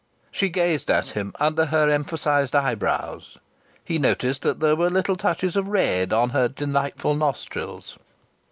She gazed at him under her emphasized eyebrows. He noticed that there were little touches of red on her delightful nostrils.